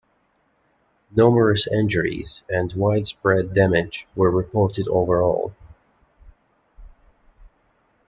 Numerous injuries and widespread damage were reported overall.